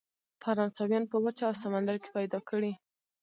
فرانسویان په وچه او سمندر کې پیدا کړي.